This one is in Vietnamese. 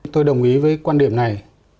tôi đồng ý với quan điểm này